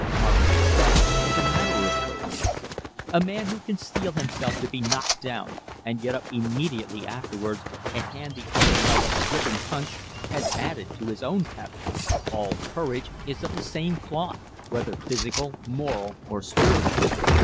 Our success is a matter of our courage. A man who can steel himself to be knocked down and get up immediately afterwards and hand the other fellow a ripping punch has added to his own "pep." _All courage is of the same cloth, whether physical, moral or spiritual.